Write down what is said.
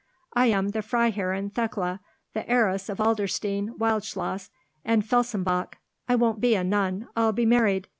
I am the Freiherrinn Thekla, the heiress of Adlerstein Wildschloss and Felsenbach. I won't be a nun. I'll be married!